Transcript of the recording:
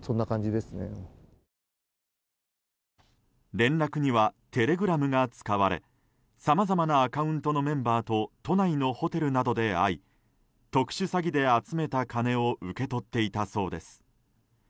連絡にはテレグラムが使われさまざまなアカウントのメンバーと都内のホテルなどで会い特殊詐欺で集めた金を受け取っていたそうです。